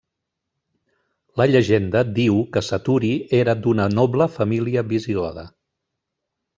La llegenda diu que Saturi era d'una noble família visigoda.